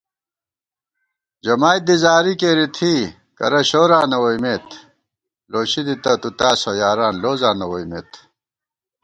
جمائید دی زاری کېری تھی، کرہ شوراں نہ ووئیمېت * لوشی دِتہ تُو تاسہ یاران لوزاں نہ ووئیمېت